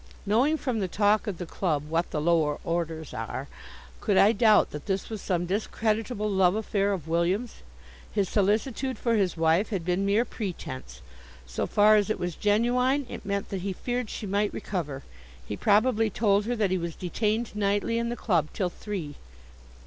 Knowing from the talk of the club what the lower orders are, could I doubt that this was some discreditable love affair of William's? His solicitude for his wife had been mere pretence; so far as it was genuine, it meant that he feared she might recover. He probably told her that he was detained nightly in the club till three.